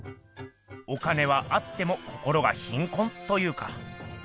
お金はあっても心が貧困というか。